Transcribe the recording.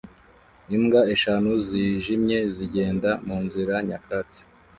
Imbwa eshanu zijimye zigenda munzira nyakatsi